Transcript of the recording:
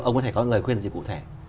ông có thể có lời khuyên gì cụ thể